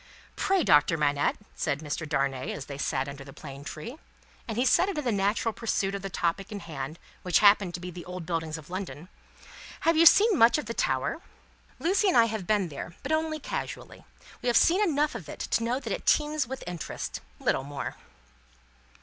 "Pray, Doctor Manette," said Mr. Darnay, as they sat under the plane tree and he said it in the natural pursuit of the topic in hand, which happened to be the old buildings of London "have you seen much of the Tower?" "Lucie and I have been there; but only casually. We have seen enough of it, to know that it teems with interest; little more."